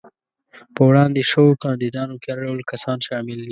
په وړاندې شوو کاندیدانو کې هر ډول کسان شامل دي.